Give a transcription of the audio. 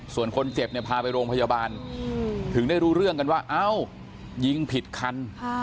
ส่วนคนเจ็บเนี่ยพาไปโรงพยาบาลถึงได้รู้เรื่องกันว่าเอ้ายิงผิดคัน